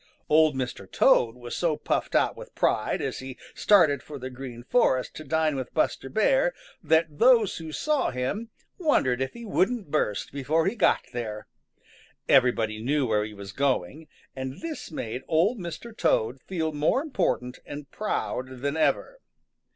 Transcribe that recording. Old Mr. Toad was so puffed out with pride as he started for the Green Forest to dine with Buster Bear that those who saw him wondered if he wouldn't burst before he got there. Everybody knew where he was going, and this made Old Mr. Toad feel more important and proud than ever.